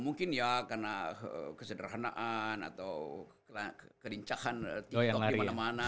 mungkin ya karena kesederhanaan atau kerincahan tiktok dimana mana